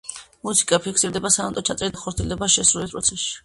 მუსიკა ფიქსირდება სანოტო ჩაწერით და ხორციელდება შესრულების პროცესში.